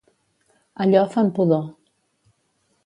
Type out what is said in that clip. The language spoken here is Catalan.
A Llo fan pudor.